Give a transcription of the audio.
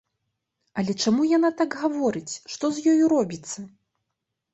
Але чаму яна так гаворыць, што з ёю робіцца?